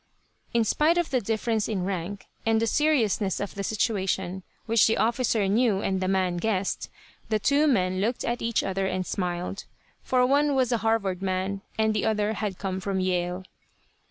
In spite of the difference in rank, and the seriousness of the situation, which the officer knew and the man guessed, the two men looked at each other and smiled. For one was a Harvard man, and the other had come from Yale.